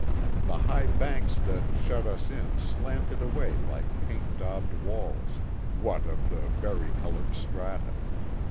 The high banks that shut us in slanted away like paint daubed walls, what of the vari colored strata.